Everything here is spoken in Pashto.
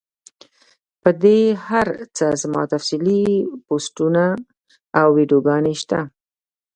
پۀ دې هر څۀ زما تفصیلي پوسټونه او ويډيوګانې شته